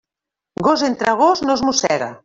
Gos entre gos no es mossega.